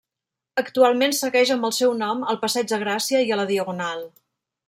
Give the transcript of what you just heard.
Actualment segueix amb el seu nom al Passeig de Gràcia i a la Diagonal.